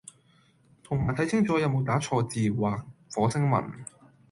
同埋睇清楚有冇打錯字或火星文